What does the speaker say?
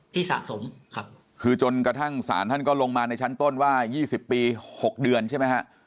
สะสมค่ะคือจนกระทั่งศาลท่านก็ลงมาในชั้นต้นว่า๒๐ปี๖เดือนใช่ไหมฮะ